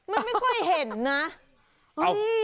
มันไม่ค่อยเห็นนะ